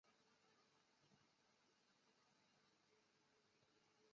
而多名议员书面质询气象局悬挂风球标准。